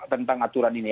tentang aturan ini